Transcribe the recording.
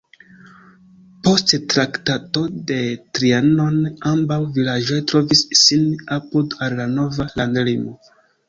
Post Traktato de Trianon ambaŭ vilaĝoj trovis sin apud al la nova landlimo.